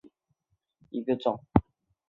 米林乌头为毛茛科乌头属下的一个种。